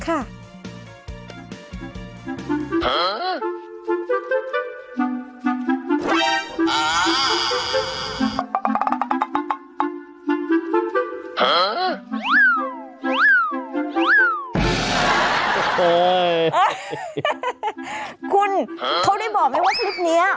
คุณเขาได้บอกไหมว่าคลิปนี้